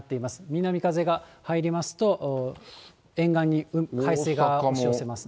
南風が入りますと、沿岸に海水が押し寄せます。